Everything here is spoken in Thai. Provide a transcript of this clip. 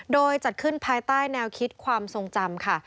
โดยจัดขึ้นภายใต้แนวคิดความทรงจำค่ะ